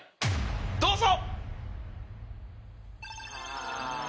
⁉どうぞ！